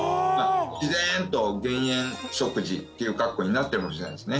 自然と減塩食事という格好になっているかもしれないですね